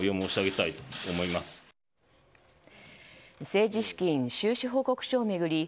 政治資金収支報告書を巡り